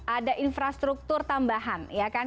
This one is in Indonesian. ada infrastruktur tambahan ya kan